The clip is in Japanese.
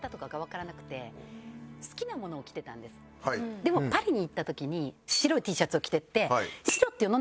でもパリに行った時に白いＴシャツを着て行って。